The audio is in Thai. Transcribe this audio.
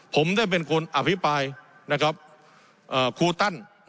ผมได้เป็นคนอภิปรายครูตั้น